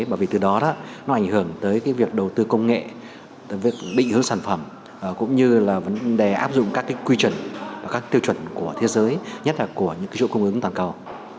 bởi vì từ đó nó ảnh hưởng tới việc đầu tư công nghệ việc định hướng sản phẩm cũng như là vấn đề áp dụng các cái quy chuẩn và các tiêu chuẩn của thế giới nhất là của những chuỗi cung ứng toàn cầu